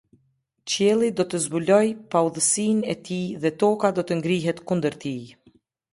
Qielli do të zbulojë paudhësinë e tij dhe toka do të ngrihet kundër tij.